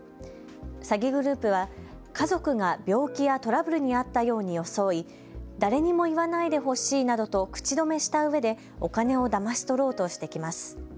詐欺グループは家族が病気やトラブルに遭ったように装い誰にも言わないでほしいなどと口止めしたうえでお金をだまし取ろうとしてきます。